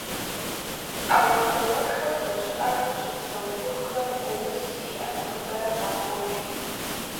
Ӏэуэлъауэшхуэ здэщыӀэхэм щыпсэу цӏыхухэм гу уз зиӀэ нэхъыбэрэ къахокӏ.